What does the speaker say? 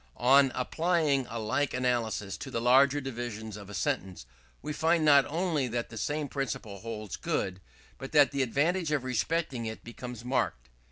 On applying a like analysis to the larger divisions of a sentence, we find not only that the same principle holds good, but that the advantage of respecting it becomes marked.